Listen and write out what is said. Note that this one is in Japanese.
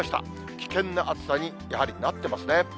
危険な暑さにやはりなってますね。